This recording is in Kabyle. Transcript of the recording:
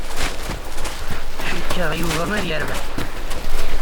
Cikkeɣ Yuba ad yerbeḥ.